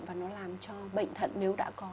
và nó làm cho bệnh thận nếu đã có